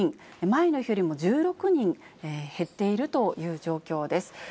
前の日よりも１６人減っているという状況です。